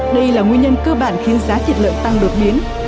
đây là nguyên nhân cơ bản khiến giá thịt lợn tăng đột biến